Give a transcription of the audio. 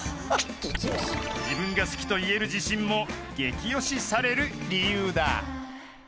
［自分が好きと言える自信もゲキオシされる理由だ］